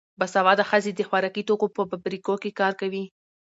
باسواده ښځې د خوراکي توکو په فابریکو کې کار کوي.